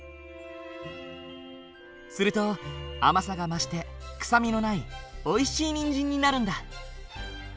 すると甘さが増して臭みのないおいしいにんじんになるんだ。